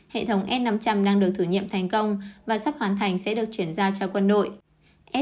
hệ thống s năm trăm linh đang được thử nghiệm thành công và sắp hoàn thành sẽ được chuyển giao cho quân đội